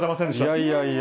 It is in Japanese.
いやいやいや。